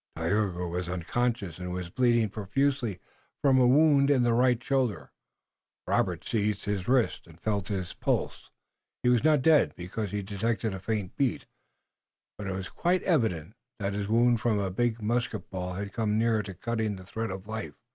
Tayoga was unconscious, and was bleeding profusely from a wound in the right shoulder. Robert seized his wrist and felt his pulse. He was not dead, because he detected a faint beat, but it was quite evident that the wound from a big musket bullet had come near to cutting the thread of life.